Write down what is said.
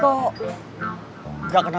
kan dari tadi